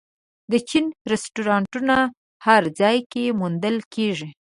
د چین رستورانتونه هر ځای کې موندل کېږي.